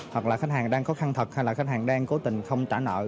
hoặc là khách hàng đang khó khăn thật hay là khách hàng đang cố tình không trả nợ